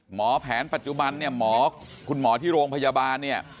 หมอแผนปัจจุบันเนี่ยหมอคุณหมอที่โรงพยาบาลเนี่ย